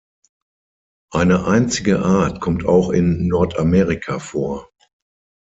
Eine einzige Art kommt auch in Nordamerika vor.